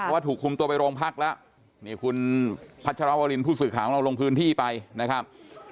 ว่าถูกคุมตัวไปโรงพักแล้วนี่คุณพัชรวรินผู้สื่อข่าวของเราลงพื้นที่ไปนะครับ